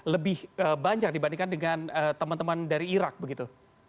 lebih banyak dibandingkan dengan teman teman dari irak begitu